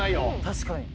確かに。